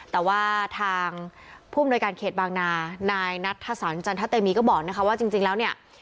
แต่ว่าทางผู้อำนวยการเขตบางนานายนัทธสันจันทะเตมีก็บอกนะคะว่าจริงแล้วเนี่ย